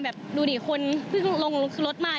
แล้วตอนนี้คณะดิสเครดิตแน่นอนสิพี่เพราะหนูเสียหายอ่ะ